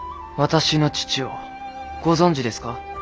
私の父をご存じですか？